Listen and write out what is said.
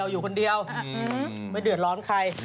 อยู่คนเดียวไม่เดือดร้อนใคร